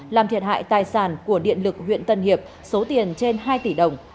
làm thiệt hại tài sản của điện lực huyện tân hiệp số tiền trên hai tỷ đồng